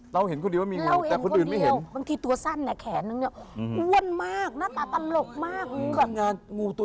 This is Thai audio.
เราเห็นคนเดียว่ามีงูแต่คนอื่นไม่เห็น